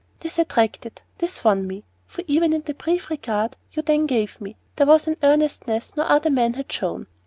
This attracted, this won me; for even in the brief regard you then gave me, there was an earnestness no other man had shown.